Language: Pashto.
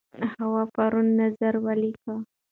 هوا پرون نظر ولیکه.